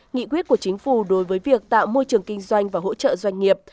nghị quyết của chính phủ đối với việc tạo môi trường kinh doanh và hỗ trợ doanh nghiệp